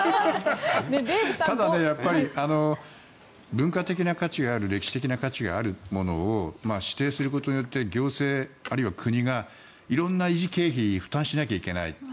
ただ、文化的な価値がある歴史的な価値があるものを指定することによって行政あるいは国が色んな維持経費を負担しなければいけない。